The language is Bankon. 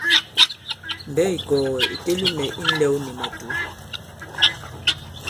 Mbɛ̌ ì kɔ̀gɛ̀ ì teli mɛ̀ i ǹlɛw nì màtǔ.